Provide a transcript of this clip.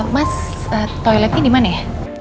mas toiletnya dimana ya